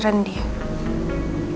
tapi rendy gak pernah main kesini ya